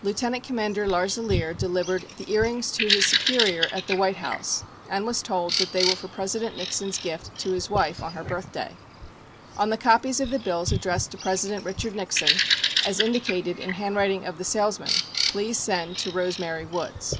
Lieutenant Commander Larzelere delivered the earrings to his superior at the White House and was told that they were for President Nixon's gift to his wife on her birthday. 26 On the copies of the bills addressed to President Richard Nixon as indicated in handwriting of the salesman, "please send to Rose Mary Woods."